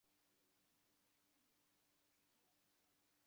শিক্ষা সংকোচন নীতির প্রস্তাব করছি মনে করে আমাকে অনেকে শাপান্ত করবেন।